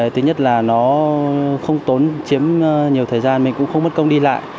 thứ nhất là nó không tốn chiếm nhiều thời gian mình cũng không mất công đi lại